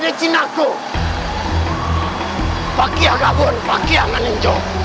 dia tidak ada di sini